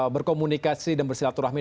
berkomunikasi dan bersilaturahmi